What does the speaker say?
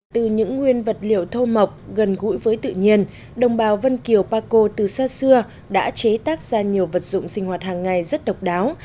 từ những nguyên vật liệu thô mộc gần gũi với tự nhiên đồng bào vân kiều paco từ xa xưa đã chế tác ra nhiều vật dụng sinh hoạt hàng ngày rất độc đáo